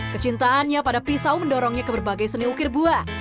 kecintaannya pada pisau mendorongnya ke berbagai seni ukir buah